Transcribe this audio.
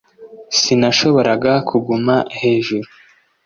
sinashoboraga kuguma hejuru.